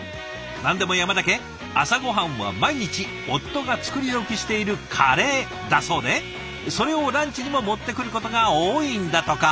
何でも山田家朝ごはんは毎日夫が作り置きしているカレーだそうでそれをランチにも持ってくることが多いんだとか。